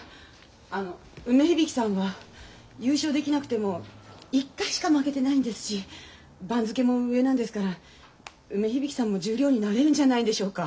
あの梅響さんは優勝できなくても一回しか負けてないんですし番付も上なんですから梅響さんも十両になれるんじゃないでしょうか。